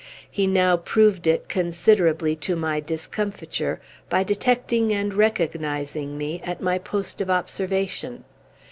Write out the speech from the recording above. He now proved it, considerably to my discomfiture, by detecting and recognizing me, at my post of observation.